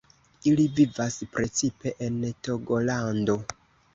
Ili vivas precipe en Togolando.